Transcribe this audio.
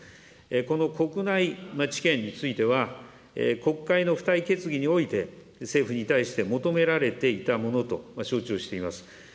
この国内治験については、国会の付帯決議において、政府に対して求められていたものと承知をしています。